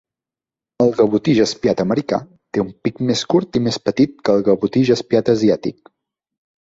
El gavotí jaspiat americà té un pic més curt i més petit que el gavotí jaspiat asiàtic.